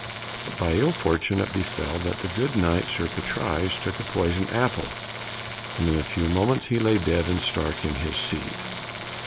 But by ill fortune it befell that the good Knight Sir Patrise took a poisoned apple, and in a few moments he lay dead and stark in his seat.